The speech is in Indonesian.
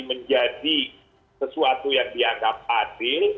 menjadi sesuatu yang dianggap adil